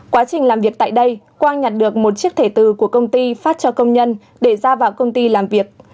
quá trình làm việc tại đây quang nhặt được một chiếc thẻ từ của công ty phát cho công nhân để ra vào công ty làm việc